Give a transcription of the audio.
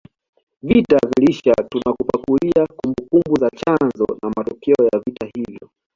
Vita viliisha tunakupakulia kumbukumbu za chanzo na matokeo ya vita hivyo